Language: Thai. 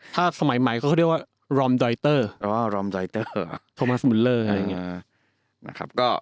ถ้าสมัยใหม่เขาเรียกว่ารอมดรอยเตอร์โทมัสมูลเลอร์